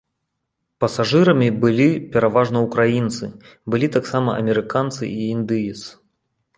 Пасажырамі былі пераважна ўкраінцы, былі таксама амерыканцы і індыец.